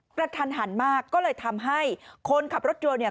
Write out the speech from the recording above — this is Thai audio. กระทันหันมากก็เลยทำให้คนขับรถยนต์เนี่ย